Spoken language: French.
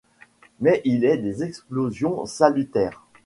Mais il est des explosions salutaires.